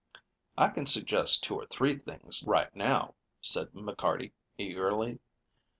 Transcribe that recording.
"I can suggest two or three things, right now," said McCarty, eagerly.